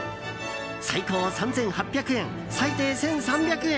最高３８００円、最低１３００円。